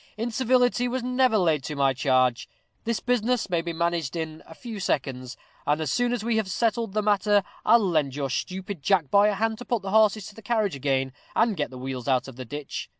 Incivility was never laid to my charge. This business may be managed in a few seconds; and as soon as we have settled the matter, I'll lend your stupid jack boy a hand to put the horses to the carriage again, and get the wheels out of the ditch.